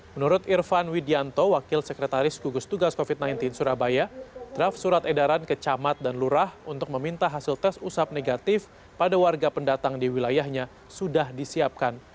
menurut irfan widianto wakil sekretaris gugus tugas covid sembilan belas surabaya draft surat edaran ke camat dan lurah untuk meminta hasil tes usap negatif pada warga pendatang di wilayahnya sudah disiapkan